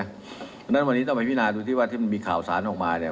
เพราะฉะนั้นวันนี้ต้องไปพินาดูที่ว่าที่มันมีข่าวสารออกมาเนี่ย